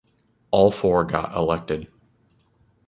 All four got elected.